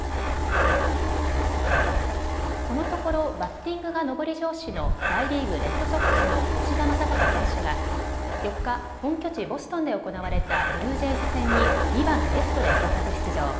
このところバッティングが上り調子の大リーグ、レッドソックスの吉田正尚選手が４日、本拠地ボストンで行われたブルージェイズ戦に２番・レフトで先発出場。